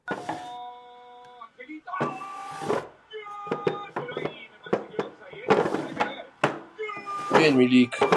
Él nació en Belleville, Ontario.